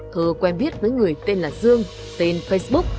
thơ quen biết với người tên là dương tên facebook